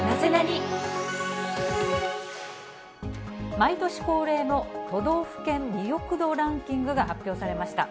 毎年恒例の都道府県魅力度ランキングが発表されました。